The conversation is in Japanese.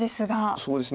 そうですね。